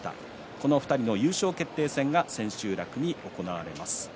この２人の優勝決定は千秋楽に行われます。